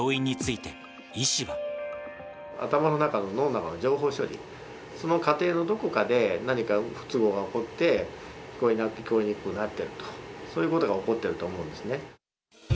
につ頭の中の、脳の中の情報処理、その過程のどこかで何か不都合が起こって、聞こえにくくなっていると、そういうことが起こっていると思うんですね。